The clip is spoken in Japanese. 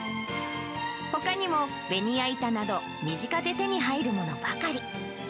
ほかにも、ベニヤ板など、身近で手に入るものばかり。